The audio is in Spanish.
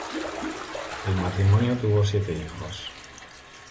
El matrimonio tuvo siete hijos.